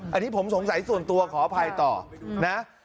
อันนี้ผมสงสัยส่วนตัวขออภัยต่อนะ